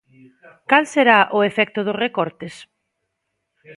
Cal será o efecto dos recortes?